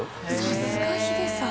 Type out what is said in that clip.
さすがヒデさん。